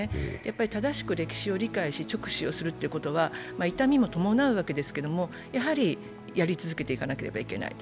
正しく歴史を理解し、直視するということは痛みも伴うわけですけれども、やり続けていかなければいけない。